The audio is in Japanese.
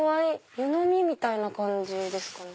湯飲みみたいな感じですかね。